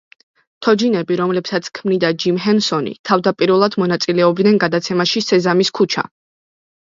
თოჯინები, რომლებსაც ქმნიდა ჯიმ ჰენსონი, თავდაპირველად მონაწილეობდნენ გადაცემაში სეზამის ქუჩა.